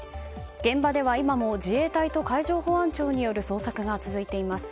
現場では今も自衛隊と海上保安庁による捜索が続いています。